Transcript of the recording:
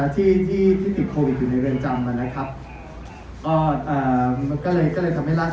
ที่ติดโควิดอยู่ในเวรจำมาแล้วครับก็อ่าก็เลยก็เลยทำให้รัก